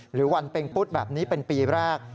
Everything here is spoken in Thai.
หรือวันเป็งปุ๊ดแบบนี้เป็นปีแรก